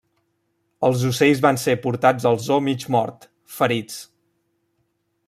Els ocells van ser portats al zoo mig mort, ferits.